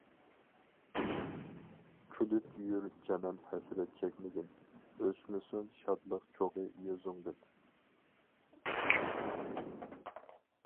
كۈلۈپ يۈر جانان ھەسرەت چەكمىگىن، ئۆچمىسۇن شادلىق چوغى يۈزۈڭدىن.